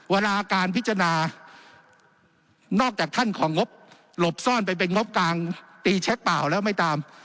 เวลาการพิจารณานอกจากท่านของงบหลบซ่อนไปเป็นงบกลางตีเช็คเปล่าแล้วไม่ตาม